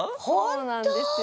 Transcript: そうなんですよ。